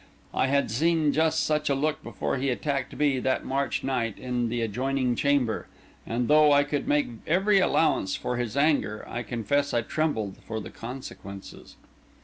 I had seen just such a look before he attacked me, that March night, in the adjoining chamber; and, though I could make every allowance for his anger, I confess I trembled for the consequences.